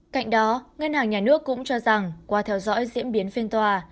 cạnh đó ngân hàng nhà nước cũng cho rằng qua theo dõi diễn biến phiên tòa